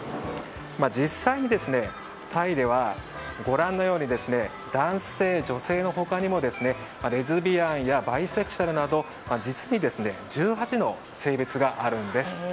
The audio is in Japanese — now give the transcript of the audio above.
実際にタイでは、ご覧のように男性、女性の他にもレズビアンやバイセクシュアルなど実に１８の性別があるんです。